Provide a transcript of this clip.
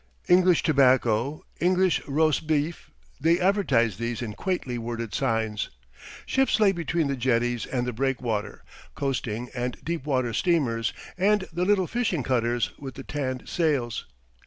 English tobacco, English rosbif they advertised these in quaintly worded signs. Ships lay between the jetties and the breakwater, coasting and deep water steamers, and the little fishing cutters with the tanned sails.